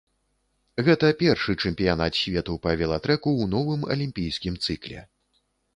Гэта першы чэмпіянат свету па велатрэку ў новым алімпійскім цыкле.